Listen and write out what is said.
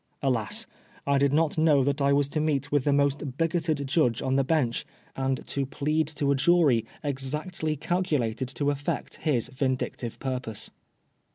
Alas I I did not know that I was to meet with the most bigoted judge on the bench, and to plead to a jury exactly calculated to effect his vindictive purpose.